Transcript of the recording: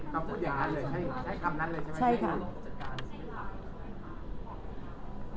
ต้องพูดอย่างงั้นเลยใช่ไหมได้คำนั้นเลยใช่ไหมให้ผู้จัดการ